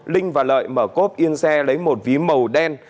linh và lợi mở cốp yên xe lấy một ví màu đen